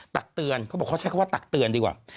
ตักเตือนเขาบอกเขาใช้คำว่าตักเตือนดีกว่า